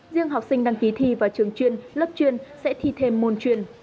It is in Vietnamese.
riêng học sinh đăng ký thi vào trường chuyên lớp chuyên sẽ thi thêm môn chuyên